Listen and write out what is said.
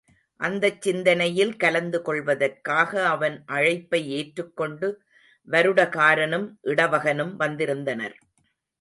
அந்தச் சிந்தனையில் கலந்து கொள்வதற்காக அவன் அழைப்பை ஏற்றுக்கொண்டு வருடகாரனும் இடவகனும் வந்திருந்தனர்.